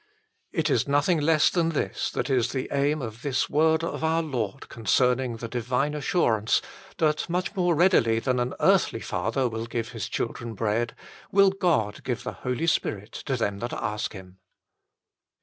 It is nothing less than this that is the aim of this word of our Lord concerning the divine assurance that, much more readily than an earthly father will give his children bread, will God give the Holy Spirit to them that ask Him.